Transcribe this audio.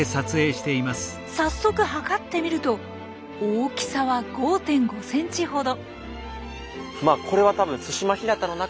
早速測ってみると大きさは５．５センチほど。